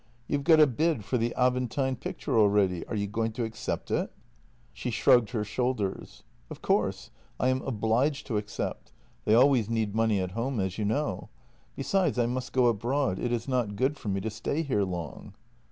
You have got a bid for the Aventine picture already — are you going to accept it ?" She shrugged her shoulders: JENNY 183 " Of course. I am obliged to accept. They always need money at home, as you know. Besides, I must go abroad; it is not good for me to stay here long."